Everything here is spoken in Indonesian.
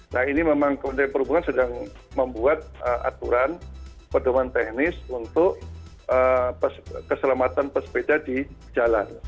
nah ini memang kementerian perhubungan sedang membuat aturan pedoman teknis untuk keselamatan pesepeda di jalan